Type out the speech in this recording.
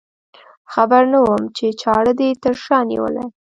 خبر نه وم چې چاړه دې تر شا نیولې.